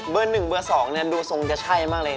เบอร์หนึ่งเบอร์สองดูทรงจะใช่มากเลย